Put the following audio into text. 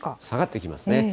下がってきますね。